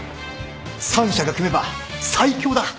３社が組めば最強だ。